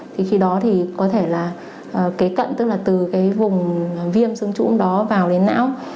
thì khi đó thì có thể là kế cận tức là từ cái vùng viêm xương trũng đó vào đến não